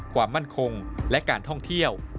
ความมั่นคงและการท่องเที่ยว